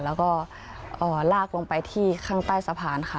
แล้วก็ลากลงไปที่ข้างใต้สะพานค่ะ